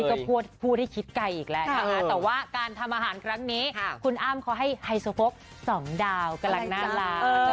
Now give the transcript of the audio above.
เธอนี้ก็พูดที่คิดไกลอีกแล้วนะแต่ว่าการทำอาหารครั้งนี้คุณอ้ามเค้าให้ไฮโซโฟกสองดาวกำลังน่ารัก